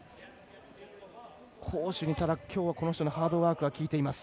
攻守に、この人のハードワークがきいています。